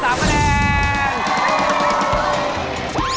อ่าไปเลย๓ข้อ๓คะแนน